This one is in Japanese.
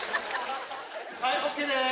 はいＯＫです！